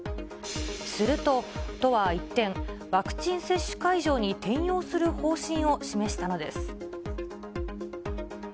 すると、都は一転、ワクチン接種会場に転用する方針を示したのです。